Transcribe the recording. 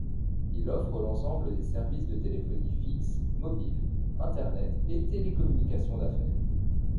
Il offre l’ensemble des services de téléphonie fixe, mobile, Internet et télécommunications d’affaires.